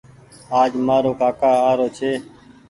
آج مآرو ڪآڪآ آرو ڇي